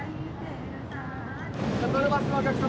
シャトルバスのお客様